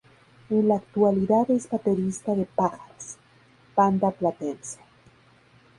En la actualidad es baterista de Pájaros, banda platense.